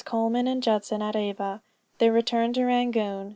COLMAN AND JUDSON AT AVA. THEIR RETURN TO RANGOON.